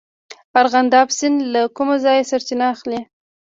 مرغاب سیند له کوم ځای سرچینه اخلي؟